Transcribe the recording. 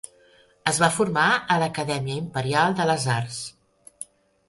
Es va formar a l'Acadèmia Imperial de les Arts.